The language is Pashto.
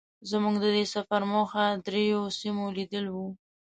زمونږ د دې سفر موخه درېيو سیمو لیدل وو.